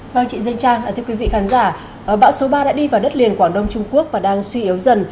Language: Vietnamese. vâng chị danh trang thưa quý vị khán giả bão số ba đã đi vào đất liền quảng đông trung quốc và đang suy yếu dần